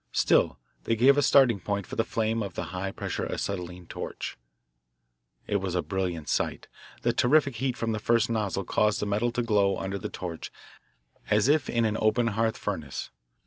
Still they gave a starting point for the flame of the high pressure acetylene torch. It was a brilliant sight. The terrific heat from the first nozzle caused the metal to glow under the torch as if in an open hearth furnace.